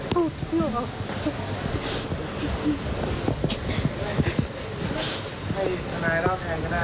พูดไม่ออก